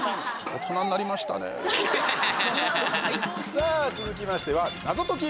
さあ、続きましては謎解き